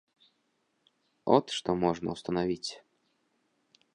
От што можна ўстанавіць.